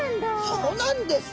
そうなんです。